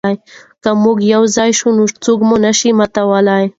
که موږ یو ځای شو نو څوک مو نه شي ماتولی.